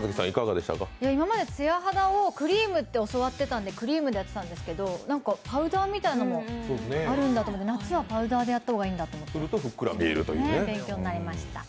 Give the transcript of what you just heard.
今までつや肌をクリームって教わっていたので、クリームでやってたんですけどパウダーみたいのもあるんだと思って夏はパウダーでやった方がいいんだと、勉強になりました。